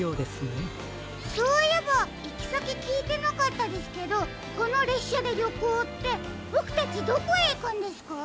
そういえばいきさききいてなかったですけどこのれっしゃでりょこうってボクたちどこへいくんですか？